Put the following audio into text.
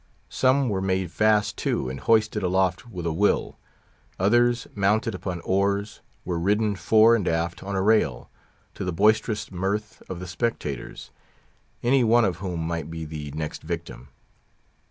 Some were made fast to and hoisted aloft with a will: others, mounted upon oars, were ridden fore and aft on a rail, to the boisterous mirth of the spectators, any one of whom might be the next victim.